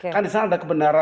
kan di sana ada kebenaran